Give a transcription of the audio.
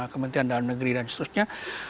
kementerian dalam negeri dan seterusnya